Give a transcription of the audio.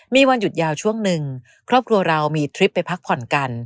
มีวันหยุดยาวช่วงหนึ่งครอบครัวเรามีทริปไปพักผ่อนกัน